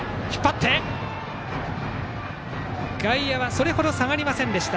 外野、それほど下がりませんでした。